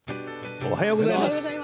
おはようございます。